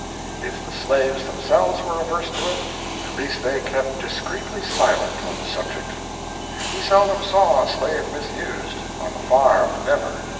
If the slaves themselves were averse to it, at least they kept discreetly silent on the subject. He seldom saw a slave misused on the farm, never.